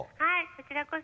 ☎こちらこそ。